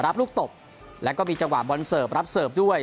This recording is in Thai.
รับลูกตบแล้วก็มีจังหวะบอลเสิร์ฟรับเสิร์ฟด้วย